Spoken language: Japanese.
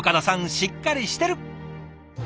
しっかりしてる！